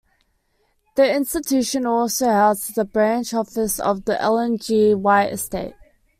The institution also houses a branch office of the Ellen G. White Estate.